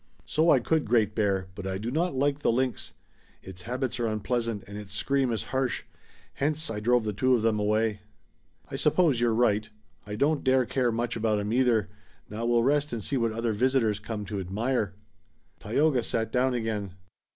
"So I could, Great Bear, but I do not like the lynx. Its habits are unpleasant, and its scream is harsh. Hence, I drove the two of them away." "I suppose you're right. I don't dare care much about 'em either. Now we'll rest and see what other visitors come to admire." Tayoga sat down again.